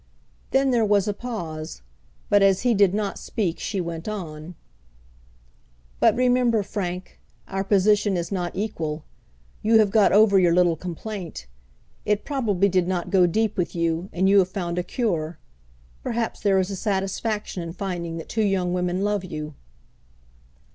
Then there was a pause, but as he did not speak she went on. "But remember, Frank, our position is not equal. You have got over your little complaint. It probably did not go deep with you, and you have found a cure. Perhaps there is a satisfaction in finding that two young women love you."